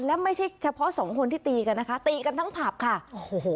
และไม่ใช่เฉพาะสองคนที่ตีกันนะคะตีกันทั้งผับค่ะโอ้โห